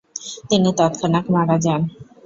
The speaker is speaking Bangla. তিনি তৎক্ষণাৎ মারা যান।